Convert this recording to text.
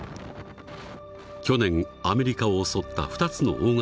去年アメリカを襲った２つの大型